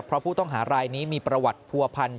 เพราะผู้ต้องหารายนี้มีประวัติผัวพันธ